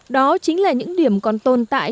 đó chính là những điểm còn tồn tại